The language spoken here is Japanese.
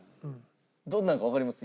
どんなんかわかります？